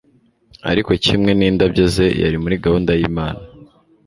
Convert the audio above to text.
ariko kimwe n'indabyo ze, yari muri gahunda y'imana